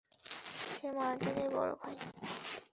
সে মার্টিনের বড় ভাই।